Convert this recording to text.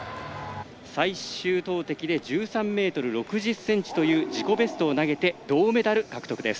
最終投てきで１３ｍ６０ｃｍの自己ベストを投げて銅メダル獲得です。